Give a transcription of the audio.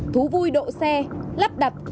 thú vui độ xe lắp đập